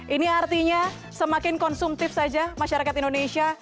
ini artinya semakin konsumtif saja masyarakat indonesia